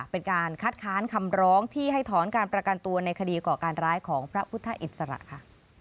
เป็นการคัดค้านคำร้องที่ให้ถอนการประกันตัวในคดีก่อการร้ายของพระพุทธอิสระค่ะ